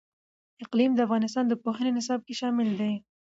اقلیم د افغانستان د پوهنې نصاب کې شامل دي.